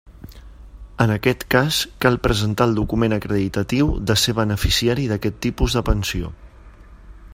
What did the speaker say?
En aquest cas cal presentar el document acreditatiu de ser beneficiari d'aquest tipus de pensió.